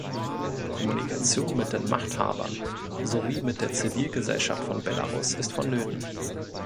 Kommunikation mit den Machthabern sowie mit der Zivilgesellschaft von Belarus ist vonnöten.